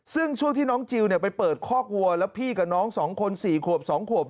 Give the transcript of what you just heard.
ซึ่งช่วงที่น้องจิลไปเปิดคอกวัวแล้วพี่กับน้อง๒คน๔ขวบ๒ขวบ